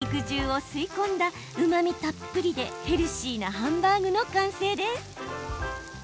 ごまがしっかりと肉汁を吸い込んだうまみたっぷりでヘルシーなハンバーグの完成です。